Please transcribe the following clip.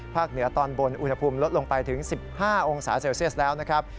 เหนือตอนบนอุณหภูมิลดลงไปถึง๑๕องศาเซลเซียสแล้วนะครับ